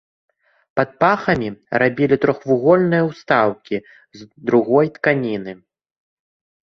Пад пахамі рабілі трохвугольныя ўстаўкі з другой тканіны.